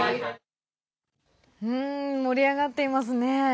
盛り上がっていますね。